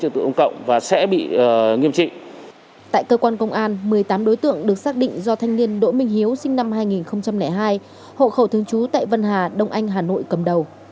tại cơ quan công an một mươi tám đối tượng được xác định do thanh niên đỗ minh hiếu sinh năm hai nghìn hai hộ khẩu thương chú tại vân hà đông anh hà nội cầm đầu